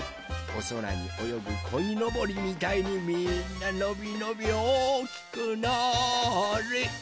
おそらにおよぐこいのぼりみたいにみんなのびのびおおきくなあれ。